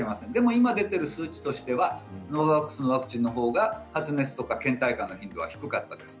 今、出ている数値としてはノババックスのワクチンのほうが発熱やけん怠感が低かったんです。